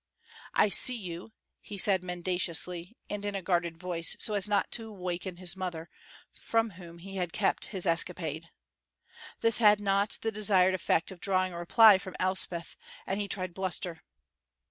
"I see you," he said mendaciously, and in a guarded voice, so as not to waken his mother, from whom he had kept his escapade. This had not the desired effect of drawing a reply from Elspeth, and he tried bluster.